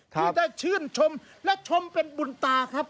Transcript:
ที่ได้ชื่นชมและชมเป็นบุญตาครับ